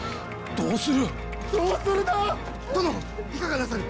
どうする！？